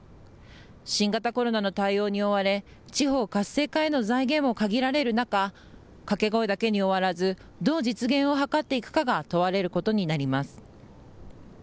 新型コロナの対応に追われ地方活性化への財源も限られる中、掛け声だけに終わらずどう実現を図っていくかが問われることになります。